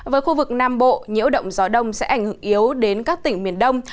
với khu vực nam bộ nhiễu động gió đông sẽ ảnh hưởng yếu đến các tỉnh miền đông